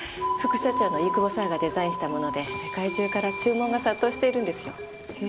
副社長の飯窪佐和がデザインしたもので世界中から注文が殺到しているんですよ。